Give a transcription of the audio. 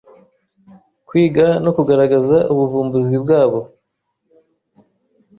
kwiga no kugaragaza ubuvumbuzi bwabo